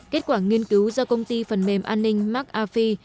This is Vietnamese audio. kết quả nghiên cứu do công ty phần mềm an ninh mcafee